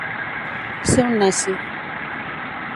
Ser un neci.